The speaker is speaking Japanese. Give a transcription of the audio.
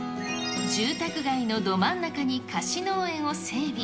住宅街のど真ん中に貸し農園を整備。